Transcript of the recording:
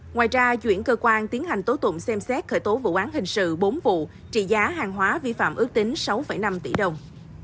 ngoài ra chuyển cơ quan tiến hành tố tụng xem xét khởi tố vụ án hình sự bốn vụ trị giá hàng hóa vi phạm ước tính sáu năm tỷ đồng